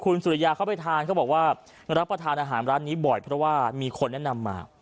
คุณสุริยาเข้าไปทานเขาบอกว่ารับประทานอาหารร้านนี้บ่อยเพราะว่ามีคนแนะนำมา